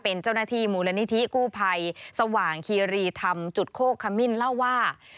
เป็นเจ้าหน้าที่มูลนิธิกู้ภัยสว่างคีรีธรรมจุดโคกขมิ้นเล่าว่า